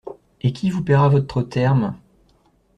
Et qui vous payera votre terme?